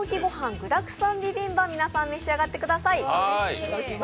具だくさんビビンパを皆さん、召し上がってください。